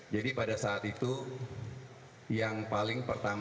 jadi pada saat itu yang paling pertama